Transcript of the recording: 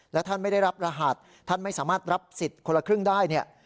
และท่านไม่ได้รับรหัสท่านไม่สามารถรับสิทธิ์คนละครึ่งได้เนี่ย